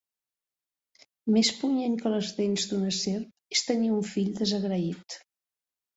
Més punyent que les dents d'una serp és tenir un fill desagraït